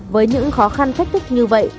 với những khó khăn thách thức như vậy